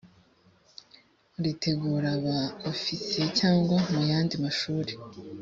ritegura ba ofisiye cyangwa mu yandi mashuri